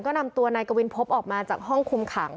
ก็นำตัวนายกวินพบออกมาจากห้องคุมขัง